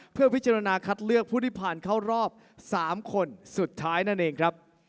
เพื่อพิจารณาคัดเลือกผู้ที่ผ่านเข้ารอบ๓คนสุดท้ายนั่นเองครับ